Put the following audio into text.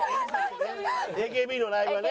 ＡＫＢのライブがね。